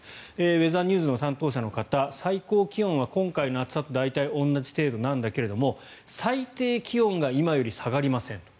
ウェザーニューズの担当者の方最高気温は今回の暑さと大体同じ程度なんだけど最低気温が今より下がりませんと。